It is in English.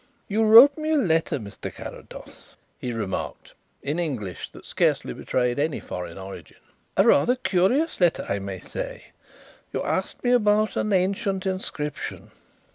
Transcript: "You wrote me a letter, Mr. Carrados," he remarked, in English that scarcely betrayed any foreign origin, "a rather curious letter, I may say. You asked me about an ancient inscription.